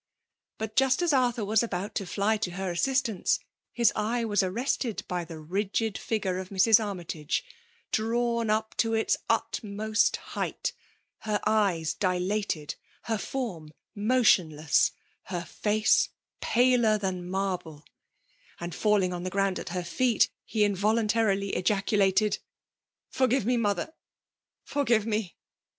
But just as Arthur was about to fly to her assistance, his eye was arrested by the rigid figure of Mrs. Armytage, drawn up to its utmost height; her eyes dilated, her form motionless, her face paler than marble ; and, falling on the ground at her feet, he invo luntarily ejaculated, "Forgive me, mother! — forgive me